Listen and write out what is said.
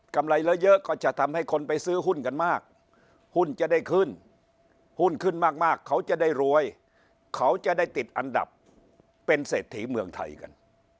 ไรเยอะก็จะทำให้คนไปซื้อหุ้นกันมากหุ้นจะได้ขึ้นหุ้นขึ้นมากเขาจะได้รวยเขาจะได้ติดอันดับเป็นเศรษฐีเมืองไทยกัน